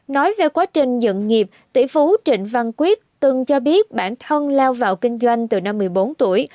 nói về quá trình dựng nghiệp tỷ phú trịnh văn quyết từng cho biết bản thân lao vào kinh doanh từ năm một mươi bốn tuổi